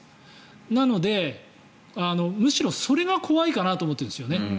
なので、むしろそれが怖いかなと思ってるんですよね。